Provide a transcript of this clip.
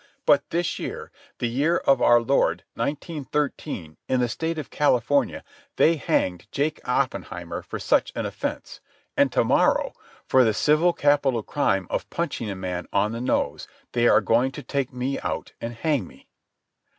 But this year, the year of Our Lord 1913, in the State of California, they hanged Jake Oppenheimer for such an offence, and to morrow, for the civil capital crime of punching a man on the nose, they are going to take me out and hang me.